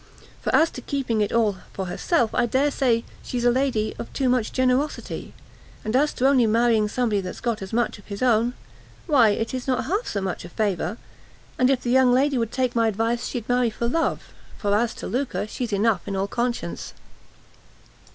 For as to keeping it all for herself, I dare say she's a lady of too much generosity; and as to only marrying somebody that's got as much of his own, why it is not half so much a favour; and if the young lady would take my advice, she'd marry for love, for as to lucre, she's enough in all conscience."